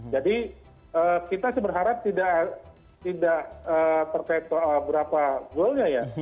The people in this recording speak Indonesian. jadi kita seberharap tidak terpeto berapa golnya ya